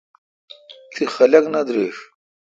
تی خلق نہ درݭ۔